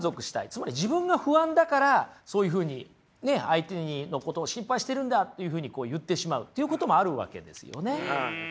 つまり自分が不安だからそういうふうにね相手のことを心配してるんだっていうふうに言ってしまうっていうこともあるわけですよね。